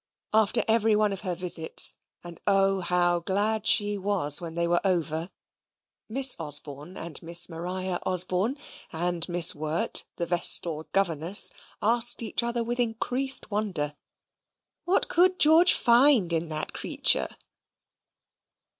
After every one of her visits (and oh how glad she was when they were over!) Miss Osborne and Miss Maria Osborne, and Miss Wirt, the vestal governess, asked each other with increased wonder, "What could George find in that creature?"